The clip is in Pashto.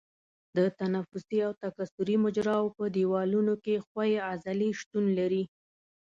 د تنفسي او تکثري مجراوو په دیوالونو کې ښویې عضلې شتون لري.